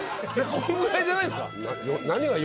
こんぐらいじゃないんすか？